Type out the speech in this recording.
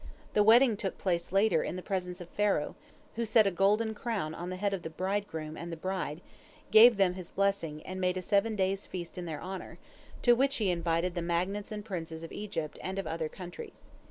The wedding took place later in the presence of Pharaoh, who set a golden crown upon the head of the bridegroom and the bride, gave them his blessing, and made a seven days' feast in their honor, to which he invited the magnates and princes of Egypt and of other countries.